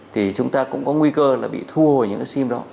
thì chúng ta cũng có nguy cơ là bị thu hồi những cái sim đó